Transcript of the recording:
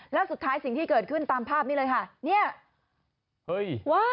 แล้วสุดท้ายสิ่งที่เกิดขึ้นตามภาพนี้เลยค่ะเนี่ยเฮ้ยว้าย